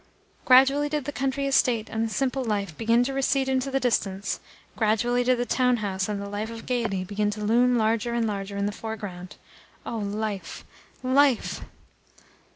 Gradually did the country estate and the simple life begin to recede into the distance: gradually did the town house and the life of gaiety begin to loom larger and larger in the foreground. Oh, life, life!